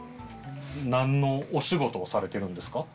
なんのお仕事をされてるんですか？